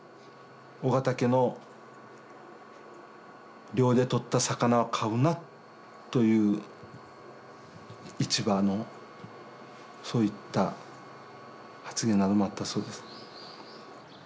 「緒方家の漁でとった魚を買うな」という市場のそういった発言などもあったそうです。